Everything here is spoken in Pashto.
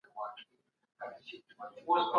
څنګه د صنعتي سکتور پراختیا د صادراتو کچه لوړوي؟